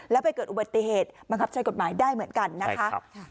แล้วไปเกิดอุบัติเหตุบังคับใช้กฎหมายได้เหมือนกันนะคะ